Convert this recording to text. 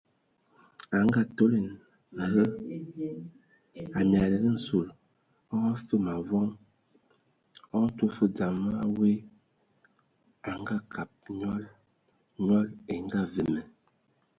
A ngaatolɛn hə,a miamlɛn nsul o afəm avɔŋ o tɔ fə dzam a we angəngab nyɔl, nyɔl e ngaweme.